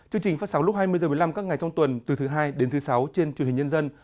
chương trình phát sóng lúc hai mươi h một mươi năm các ngày trong tuần từ thứ hai đến thứ sáu trên truyền hình nhân dân